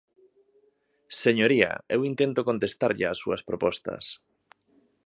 Señoría, eu intento contestarlle ás súas propostas.